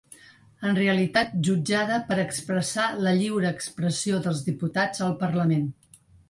En realitat jutjada per expressar la lliure expressió dels diputats al parlament.